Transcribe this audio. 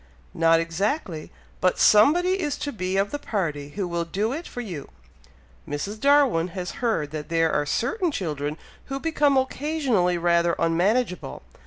"Not exactly; but somebody is to be of the party who will do it for you. Mrs. Darwin has heard that there are certain children who become occasionally rather unmanageable!